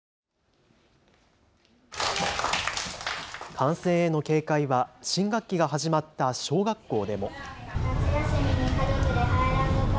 感染への警戒は新学期が始まった小学校でも。